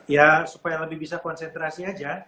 ya supaya lebih bisa konsentrasi aja